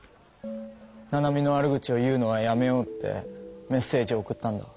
「ナナミの悪口を言うのはやめよう」ってメッセージを送ったんだ。